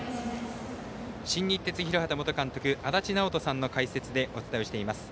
新日鉄広畑元監督足達尚人さんの解説でお伝えしています。